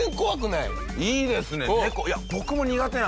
いいですね！